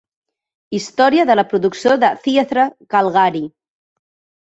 "Història de la producció de Theatre Calgary"